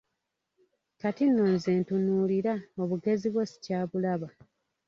Kati nno nze ntunuulira obugezi bwo sikyabulaba.